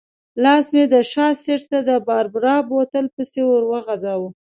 لاس مې د شا سېټ ته د باربرا بوتل پسې ورو غځاوه.